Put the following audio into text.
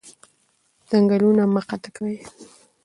ځنګلونه مه قطع کوئ